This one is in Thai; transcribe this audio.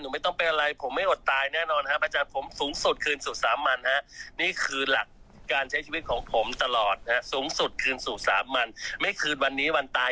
หนูไม่ต้องเป็นอะไรผมไม่อดตายแน่นอนฮะพระอาจารย์